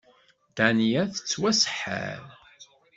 Dania tettwaseḥḥer.